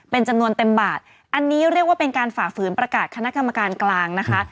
เป็นจำนวนเต็มบาทอันนี้เรียกว่าเป็นการฝ่าฝืนประกาศคณะกรรมการกลางนะคะ